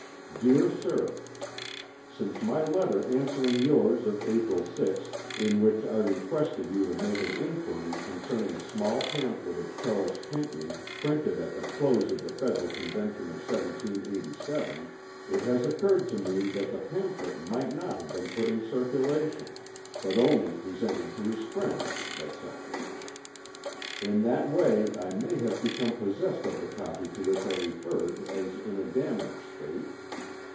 "DEAR SIR. Since my letter answering yours of April 6th, in which I requested you to make an inquiry concerning a small pamphlet of Charles Pinckney printed at the close of the Federal Convention of 1787, it has occurred to me that the pamphlet might not have been put in circulation, but only presented to his friends, etc. In that way I may have become possessed of the copy to which I referred as in a damaged state.